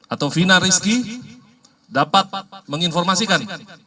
atau vina rizky dapat menginformasikan